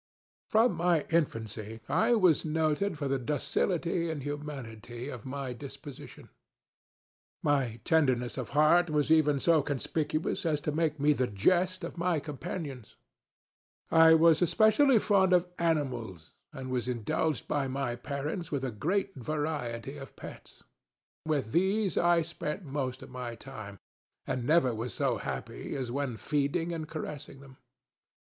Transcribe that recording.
From my infancy I was noted for the docility and humanity of my disposition. My tenderness of heart was even so conspicuous as to make me the jest of my companions. I was especially fond of animals, and was indulged by my parents with a great variety of pets. With these I spent most of my time, and never was so happy as when feeding and caressing them.